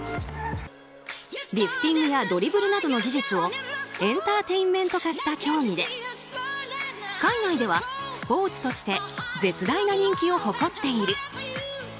リフティングやドリブルなどの技術をエンターテインメント化した競技で海外ではスポーツとして絶大な人気を誇っている。